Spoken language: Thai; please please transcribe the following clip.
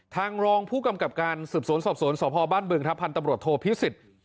ทางรองผู้กำกับการสืบสวนสอบสวนสบบพันธบรทโทภพิศิษฐ์